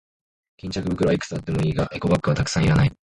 巾着袋はいくつあってもいいが、エコバッグはたくさんはいらない。